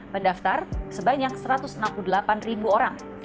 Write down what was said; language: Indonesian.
pendaftar sebanyak satu ratus enam puluh delapan ribu orang